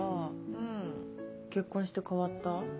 うん。結婚して変わった？